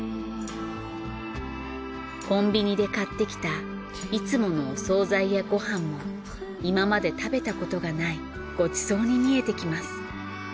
コンビニで買ってきたいつものお総菜やご飯も今まで食べたことがないごちそうに見えてきます。